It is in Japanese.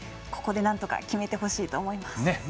ここで、なんとか決めてほしいと思います。